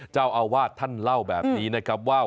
เจ้าอาวาสท่านเล่าแบบนี้นะครับว่า